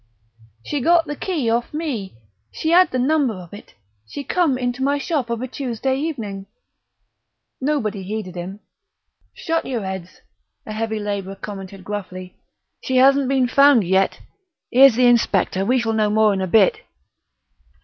"She got the key off of me she 'ad the number of it she come into my shop of a Tuesday evening...." Nobody heeded him. "Shut your heads," a heavy labourer commented gruffly, "she hasn't been found yet. 'Ere's the inspectors; we shall know more in a bit."